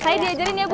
saya diajarin ya bu